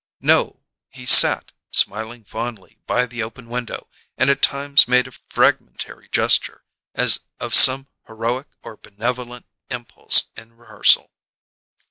No; he sat, smiling fondly, by the open window, and at times made a fragmentary gesture as of some heroic or benevolent impulse in rehearsal.